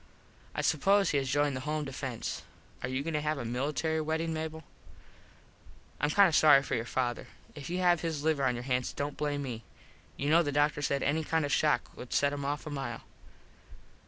I suppose he has joined the Home defence. Are you goin to have a military weddin, Mable? Im kind of sorry for your father. If you have his liver on your hands dont blame me. You know the doctor said any kind of a shock would set him off a mile.